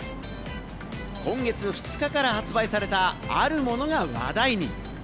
今月２日から発売された、あるものが話題に。